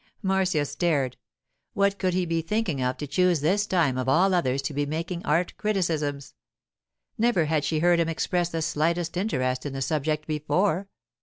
Marcia stared. What could he be thinking of to choose this time of all others to be making art criticisms? Never had she heard him express the slightest interest in the subject before.